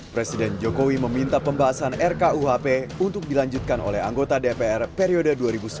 presiden jokowi meminta pembahasan rkuhp untuk dilanjutkan oleh anggota dpr periode dua ribu sembilan belas dua ribu dua